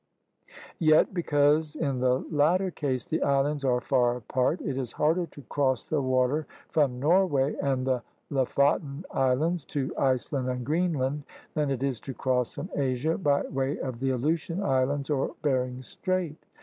Yet because in the latter case the islands are far apart, it is harder to cross the water from Norway and the Lofoten Islands to Iceland and Greenland than it is to cross from Asia by way of the Aleutian Islands or Bering Strait.